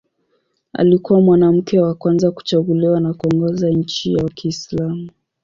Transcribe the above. Alikuwa mwanamke wa kwanza kuchaguliwa na kuongoza nchi ya Kiislamu.